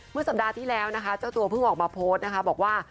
สัปดาห์ที่แล้วนะคะเจ้าตัวเพิ่งออกมาโพสต์นะคะบอกว่า